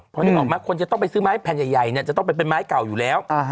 พอนึกออกไหมคนจะต้องไปซื้อไม้แผ่นใหญ่เนี่ยจะต้องไปเป็นไม้เก่าอยู่แล้ว